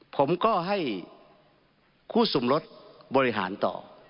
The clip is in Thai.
ผมก็ให้คู่สมรสบริหารต่อ